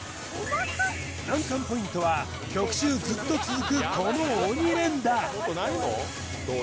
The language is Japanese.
難関ポイントは曲中ずっと続くこの鬼連打